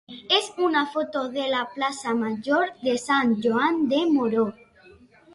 és una foto de la plaça major de Sant Joan de Moró.